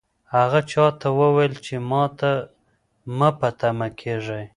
هغه چا ته وویل چې ماته مه په تمه کېږئ.